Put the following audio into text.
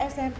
mas pur sms